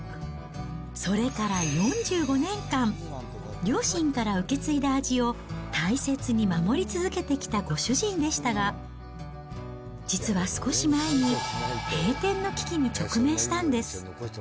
それから４５年間、両親から受け継いだ味を大切に守り続けてきたご主人でしたが、実は少し前に閉店の危機に直面したんです。